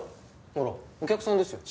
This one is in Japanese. ほらお客さんですよ。